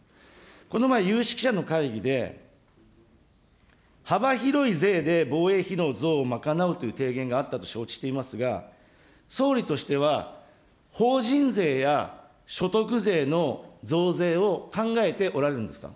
この前、有識者の会議で、幅広い税で防衛費の増を賄うという提言があったと承知していますが、総理としては、法人税や所得税の増税を考えておられるんですか。